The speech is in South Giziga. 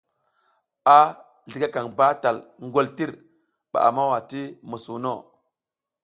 A zligakaƞ batal ngoltir ɓa a mawa ti musuwuno.